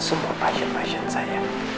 semua pasien pasien saya